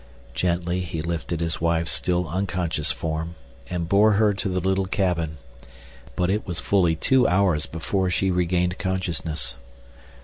Gently he lifted his wife's still unconscious form, and bore her to the little cabin, but it was fully two hours before she regained consciousness.